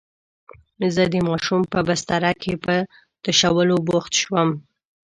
زه د ماشوم په بستره کې په تشولو بوخت شوم.